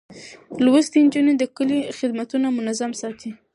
لوستې نجونې د کلي خدمتونه منظم ساتي.